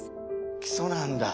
基礎なんだ。